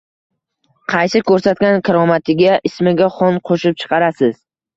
Qaysi ko'rsatgan karomatiga ismiga xon qo'shib chaqirasiz